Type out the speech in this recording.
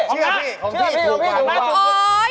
เชื่อพี่ของพี่ถูกกว่า